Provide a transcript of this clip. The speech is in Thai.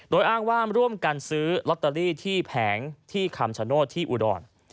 โดยอ้างว่าร่วมกันซื้อลอตเตอรี่ที่แผงที่คำชโนธที่อุดร